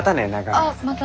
ああまた。